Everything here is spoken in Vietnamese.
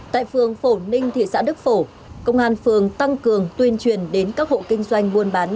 tại phường phổ ninh thị xã đức phổ công an phường tăng cường tuyên truyền đến các hộ kinh doanh buôn bán